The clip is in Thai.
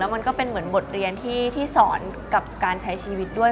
มันก็เป็นเหมือนบทเรียนที่สอนกับการใช้ชีวิตด้วย